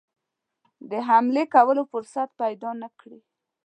د حملې کولو فرصت پیدا نه کړي.